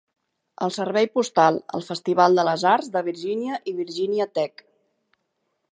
El servei postal, el festival de les arts de Virgínia i Virginia Tech.